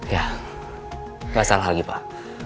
ya nggak salah lagi pak